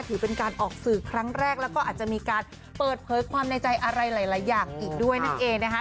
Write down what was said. ถือเป็นการออกสื่อครั้งแรกแล้วก็อาจจะมีการเปิดเผยความในใจอะไรหลายอย่างอีกด้วยนั่นเองนะคะ